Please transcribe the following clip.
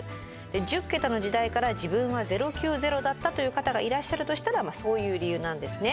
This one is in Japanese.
１０桁の時代から自分は「０９０」だったという方がいらっしゃるとしたらそういう理由なんですね。